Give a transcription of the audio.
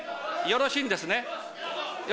よろしいんですね？